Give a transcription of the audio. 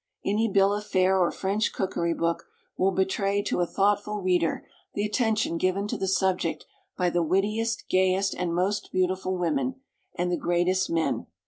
Any bill of fare or French cookery book will betray to a thoughtful reader the attention given to the subject by the wittiest, gayest, and most beautiful women, and the greatest men.